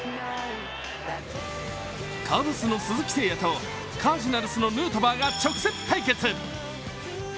カブスの鈴木誠也とカージナルスのヌートバーが直接対決！